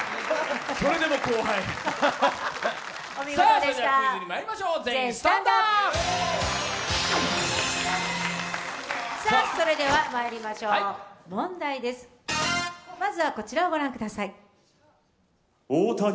それでも後輩それではまいりましょう、問題です、まずはこちらを御覧ください。